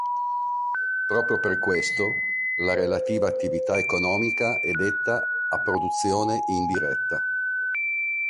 Proprio per questo, la relativa attività economica, è detta a "produzione indiretta".